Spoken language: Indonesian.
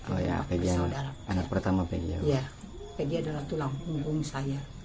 oh ya peggy anak pertama peggy ya bu ya peggy adalah tulang punggung saya